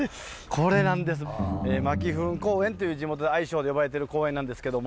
これがまきふん公園っていう地元で愛称で呼ばれてる公園なんですけども。